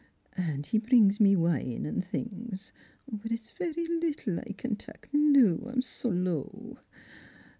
And he brings me wine and things, but it's very httle that I can tak' the noo, I'm so low.